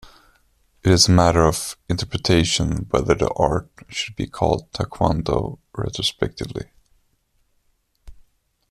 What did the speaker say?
It is a matter of interpretation whether the art should be called taekwondo retrospectively.